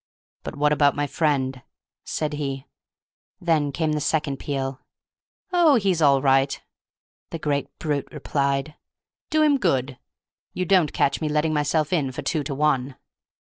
"But what about my friend?" said he. And then came the second peal. "Oh, he's all right," the great brute replied; "do him good! You don't catch me letting myself in for two to one!"